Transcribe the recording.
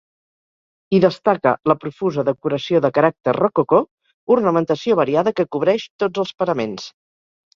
Hi destaca la profusa decoració de caràcter rococó, ornamentació variada que cobreix tots els paraments.